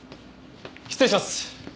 失礼します。